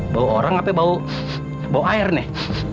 bau orang apa bau air nih